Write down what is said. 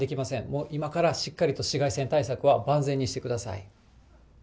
もう今からしっかりと紫外線対策は万全にしてください。